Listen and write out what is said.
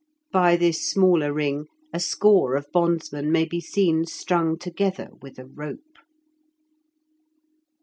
By this smaller ring a score of bondsmen may be seen strung together with a rope.